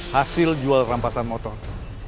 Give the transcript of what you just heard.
hasil jual rampasan motor